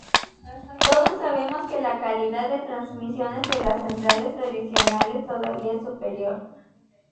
Todos sabemos que la calidad de transmisión de las centrales tradicionales todavía es superior.